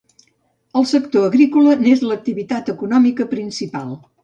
El sector agrícola n'és l'activitat econòmica principal.